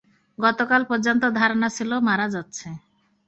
গত কাল পর্যন্ত ধারণা ছিল মারা যাচ্ছি।